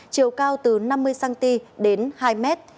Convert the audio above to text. chiều cao từ năm mươi cm đến hai m